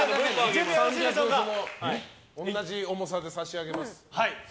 同じ重さで差し上げます。